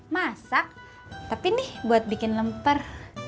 masak tapi nih buat bikin lemper